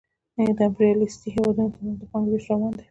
د امپریالیستي هېوادونو ترمنځ د پانګې وېش روان دی